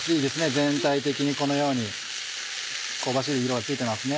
全体的にこのように香ばしい色がついてますね。